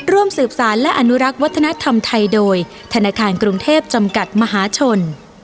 ร่วมสืบสารและอนุรักษ์วัฒนธรรมไทยโดยธนาคารกรุงเทพจำกัดมหาชน